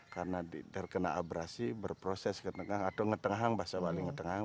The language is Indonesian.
karena terkena abrasi berproses ke tengah atau ngetenghang bahasa bali ngetenghang